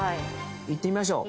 いってみましょう。